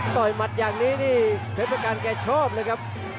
ต่อยมัดอย่างนี้นี่เพภาการแกชอบเลยครับ